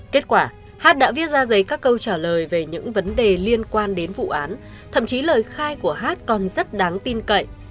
kết quả hát đã viết ra giấy các câu trả lời về những vấn đề liên quan đến vụ án thậm chí lời khai của hát còn rất đáng tin cậy